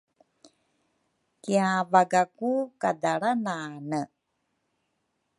Kiavaga ku kadalranane